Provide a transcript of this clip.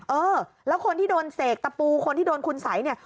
เออแล้วคนที่โดนเสกตะปูคนที่โดนคุณสัยเนี่ย